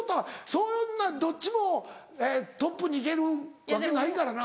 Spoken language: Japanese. そんなどっちもトップに行けるわけないからな。